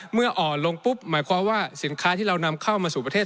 เมื่ออ่อนลงปุ๊บหมายความว่าสินค้าที่เรานำเข้ามาสู่ประเทศ